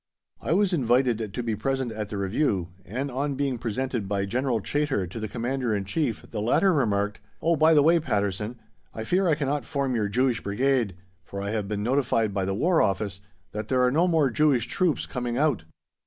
I was invited to be present at the review, and on being presented by General Chaytor to the Commander in Chief the latter remarked, "Oh, by the way, Patterson, I fear I cannot form your Jewish Brigade, for I have been notified by the War Office that there are no more Jewish troops coming out."